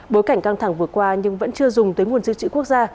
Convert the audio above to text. bối cảnh căng thẳng vừa qua nhưng vẫn chưa dùng tới nguồn dự trữ quốc gia